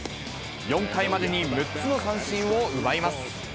４回までに６つの三振を奪います。